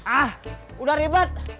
ah udah ribet